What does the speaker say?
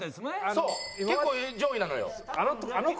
そう結構上位なのよ。